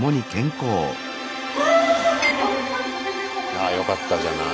ああよかったじゃない。